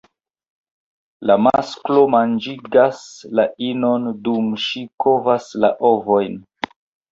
La masklo manĝigas la inon dum ŝi kovas la ovojn.